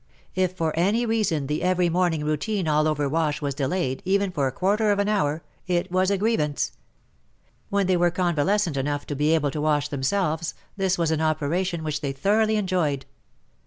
If for any reason the every morning routine all over wash was delayed, even for a quarter of an hour, it was a grievance. When they were con valescent enough to be able to wash themselves, this was an operation which they thoroughly enjoyed.